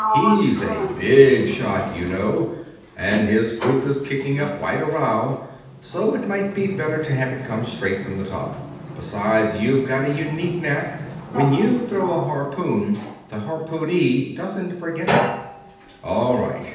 He's a Big Shot, you know, and his group is kicking up quite a row, so it might be better to have it come straight from the top. Besides, you've got a unique knack when you throw a harpoon, the harpoonee doesn't forget it." "All right.